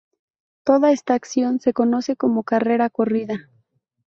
Toda esta acción se conoce como carrera corrida.